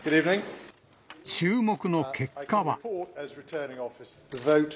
注目の結果は。